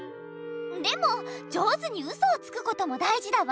でも上手にウソをつくこともだいじだわ。